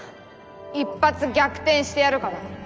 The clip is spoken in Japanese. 一発逆転してやるから。